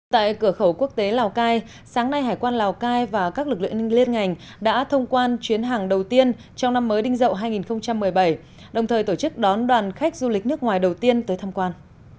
tại cửa khẩu quốc tế lào cai sáng nay hải quan lào cai và các lực lượng ninh liên ngành đã thông quan chuyến hàng đầu tiên trong năm mới đinh dậu hai nghìn một mươi bảy đồng thời tổ chức đón đoàn khách du lịch nước ngoài đầu tiên tới thăm quan